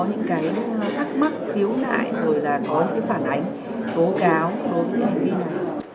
những cái ác mắc thiếu nại rồi là có cái phản ảnh tố cáo đối với hành vi này